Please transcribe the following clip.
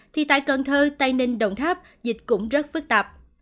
thì tại cần thơ tây ninh đồng tháp dịch cũng rất phức tạp